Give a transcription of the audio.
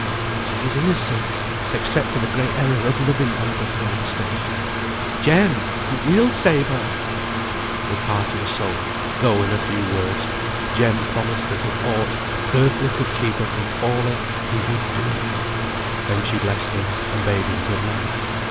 She is innocent, except for the great error of loving one above her in station. Jem! you will save her?" With heart and soul, though in few words, Jem promised that if aught earthly could keep her from falling, he would do it. Then she blessed him, and bade him good night.